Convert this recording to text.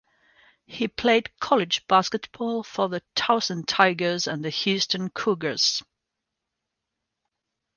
He played college basketball for the Towson Tigers and the Houston Cougars.